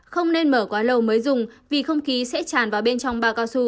không nên mở quá lâu mới dùng vì không khí sẽ tràn vào bên trong bao cao su